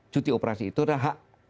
cuti operasi itu adalah hak